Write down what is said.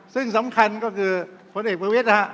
ซึ่งสำคัญก็คือผลเอกประวิทย์นะฮะ